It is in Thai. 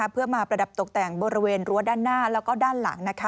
เพื่อมาประดับตกแต่งบริเวณรั้วด้านหน้าแล้วก็ด้านหลัง